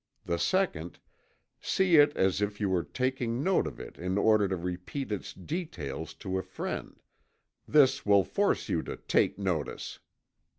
The second: See it as if you were taking note of it in order to repeat its details to a friend this will force you to "take notice."